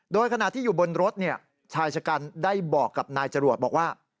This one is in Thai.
โดยขณะที่อยู่บนรถชายชะกันได้บอกกับนายจรวดบอกว่า